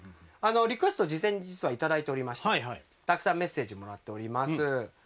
リクエストを事前に実はいただいておりましてたくさんメッセージもらっております。